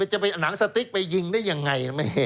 หนังสติ๊กไปยิงได้ยังไง